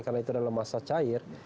karena itu adalah masa cair